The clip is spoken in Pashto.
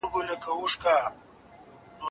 مکتب د خلکو له خوا پرانیستل شو.